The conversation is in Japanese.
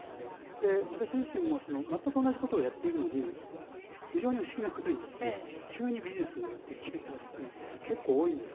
で私自身も全く同じことをやっているのに非常に不思議なことにですね急にビジネスになるっていうケースが結構多いんです。